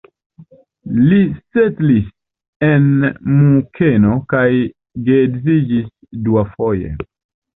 Li setlis en Munkeno kaj geedziĝis duafoje.